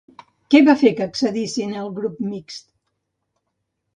Què va fer que accedissin al grup mixt?